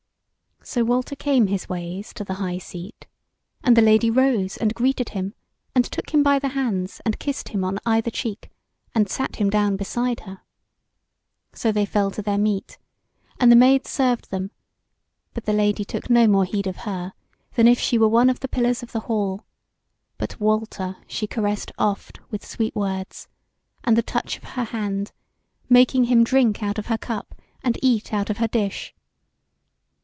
So Walter came his ways to the high seat, and the Lady rose and greeted him, and took him by the hands, and kissed him on either cheek, and sat him down beside her. So they fell to their meat, and the Maid served them; but the Lady took no more heed of her than if she were one of the pillars of the hall; but Walter she caressed oft with sweet words, and the touch of her hand, making him drink out of her cup and eat out of her dish.